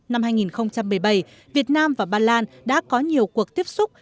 năm hai nghìn một mươi bảy việt nam và ba lan đã có nhiều cuộc tiếp xúc